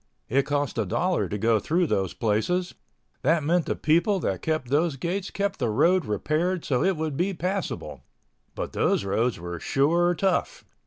It cost a dollar to go through those places—that meant the people that kept those gates kept the road repaired so it would be passable—but those roads were sure tough.